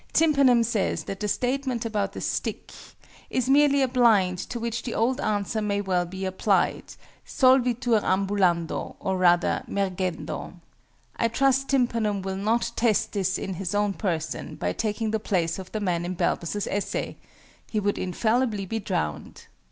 TYMPANUM says that the statement about the stick "is merely a blind, to which the old answer may well be applied, solvitur ambulando, or rather mergendo." I trust TYMPANUM will not test this in his own person, by taking the place of the man in Balbus' Essay! He would infallibly be drowned.